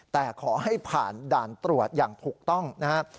แต่ขอให้ผ่านด่านตรวจอย่างถูกต้องนะครับ